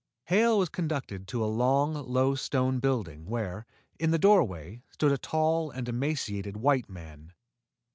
Hale was conducted to a long, low stone building, where, in the doorway, stood a tall and emaciated white man.